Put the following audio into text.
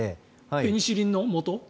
ペニシリンのもと？